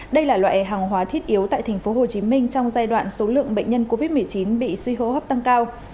đây là loại hàng hóa thiết yếu tại tp hcm trong giai đoạn số lượng bệnh nhân covid một mươi chín bị suy hô hấp tăng cao